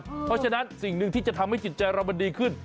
เพราะฉะนั้นสิ่งนึงที่จะเรามีใช้ใจเรานะก็ดีขึ้น